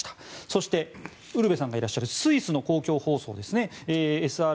そしてウルヴェさんがいらっしゃるスイスの公共放送ですね。